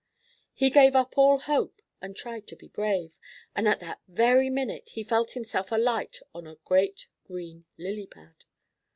He gave up all hope and tried to be brave, and at that very minute he felt himself alight on a great green lily pad.